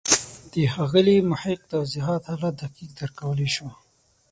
د ښاغلي محق توضیحات هله دقیق درک کولای شو.